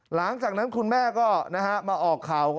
หลังจากนั้นคุณแม่ก็มาออกข่าว